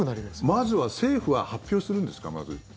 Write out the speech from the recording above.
まずは政府は発表するんですか？